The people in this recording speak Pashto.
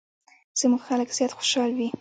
زموږ خلک زیات خوشحال وي.